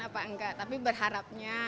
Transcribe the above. apa enggak tapi berharapnya